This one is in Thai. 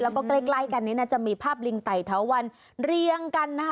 แล้วก็ใกล้กันนี้น่าจะมีภาพลิงไต่เถาวันเรียงกันนะคะ